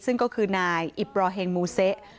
ซึ่งก็คือนายอิบรอเฮงมูเซะ